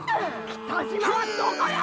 ・北島はどこよ！？